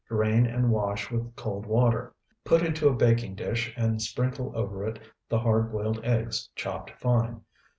Drain and wash with cold water. Put into a baking dish and sprinkle over it the hard boiled eggs chopped fine.